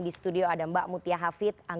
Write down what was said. di studio ada mbak mutia hafid